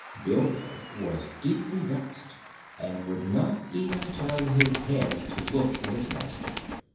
Bilbil was deeply vexed and would not even turn his head to look at his master.